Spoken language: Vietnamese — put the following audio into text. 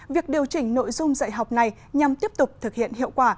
việc điều chỉnh nội dung dạy học này nhằm tiếp tục thực hiện hiệu quả